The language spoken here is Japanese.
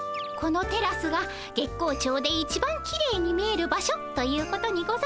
このテラスが月光町で一番きれいに見える場所ということにございますね。